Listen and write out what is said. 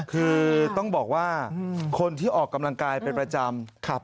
คือต้องบอกว่าคนที่ออกกำลังกายเป็นประจำ